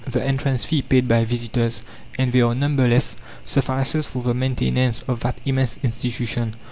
The entrance fee paid by visitors, and they are numberless, suffices for the maintenance of that immense institution.